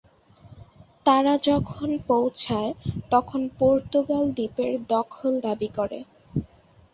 তারা যখন পৌছায় তখন পর্তুগাল দ্বীপের দখল দাবি করে।